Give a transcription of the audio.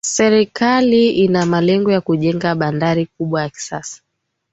Serikali ina malengo ya kujenga bandari kubwa ya kisasa